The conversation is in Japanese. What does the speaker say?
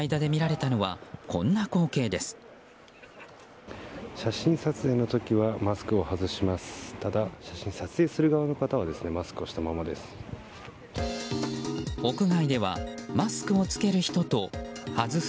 ただ、撮影する側の方はマスクをしたままです。